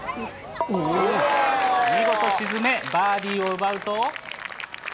見事沈め、バーディーを奪うと。